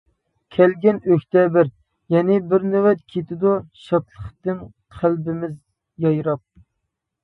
كەلگىن ئۆكتەبىر يەنە بىر نۆۋەت، كېتىدۇ شادلىقتىن قەلبىمىز يايراپ.